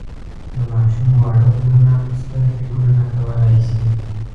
د ماشوم واړه پلونه ستر فکرونه کولای شي.